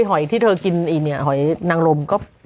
หอยที่เธอกินอีเนี่ยหอยนางลมก็ว่าเป็นนะ